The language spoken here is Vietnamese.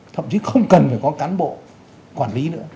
thậm chí không cần phải có cán bộ quản lý nữa